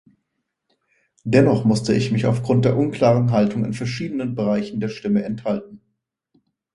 Dennoch musste ich mich aufgrund der unklaren Haltung in verschiedenen Bereichen der Stimme enthalten.